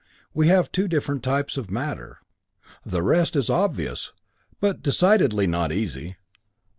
We have two different types of matter. The rest is obvious but decidedly not easy.